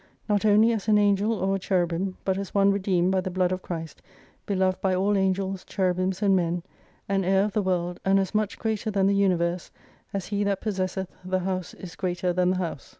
Not only as an Angel or a Cherubim, but as one redeemed by the blood of Christ, beloved by all Angels, Cherubims, and Men, an heir of the world, and as much greater than the Universe, as he that possesseth the house is greater than the house.